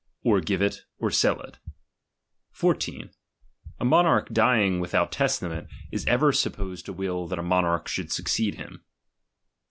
Or give it, or sell it. 14 A monarch dying without tes tament, is ever supposed to will that a monarch should succeed him: 15.